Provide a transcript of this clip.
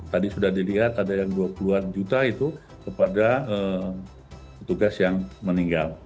tadi sudah dilihat ada yang dua puluh an juta itu kepada petugas yang meninggal